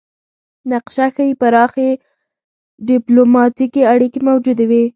نقشه ښيي پراخې ډیپلوماتیکې اړیکې موجودې وې